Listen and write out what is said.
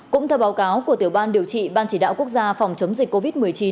cũng theo báo cáo của tiểu ban điều trị ban chỉ đạo quốc gia phòng chống dịch covid một mươi chín